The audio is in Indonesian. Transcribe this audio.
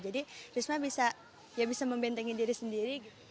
jadi risma bisa ya bisa membentengi diri sendiri